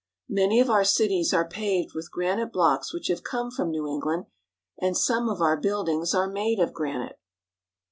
Many of our cities are paved with granite blocks which have come from New England, and some of our build ings are made of granite.